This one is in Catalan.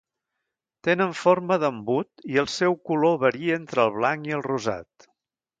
Tenen forma d'embut i el seu color varia entre el blanc i el rosat.